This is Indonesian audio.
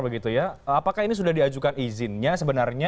apakah ini sudah diajukan izinnya sebenarnya